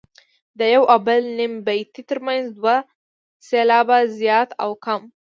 د یو او بل نیم بیتي ترمنځ دوه سېلابه زیات او کم.